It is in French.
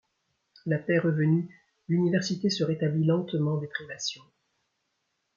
La paix revenue, l'université se rétablit lentement des privations.